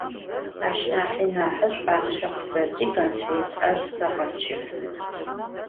Aş nahi nahış'u axhşe khıseti, konfêt 'eş'u se khesşefın.